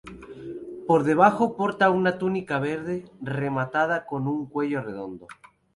Por debajo porta una túnica verde rematada con un cuello redondo.